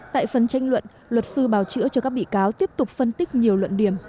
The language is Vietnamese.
tại phần tranh luận luật sư bào chữa cho các bị cáo tiếp tục phân tích nhiều luận điểm